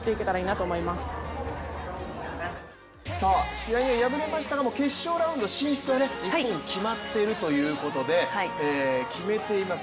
試合には敗れましたが決勝ラウンド進出が日本、決まってるということで決めています